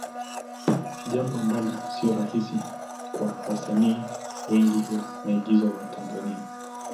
Jambo ambalo sio rahisi kwa wasanii wengi wa maigizo wa Tanzania.